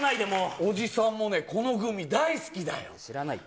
おじさんもね、このグミ大好知らないって。